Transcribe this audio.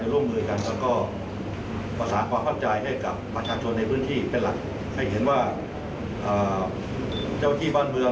แล้วก็ปัญหาต่างเราช่วยจันทร์แก้ไข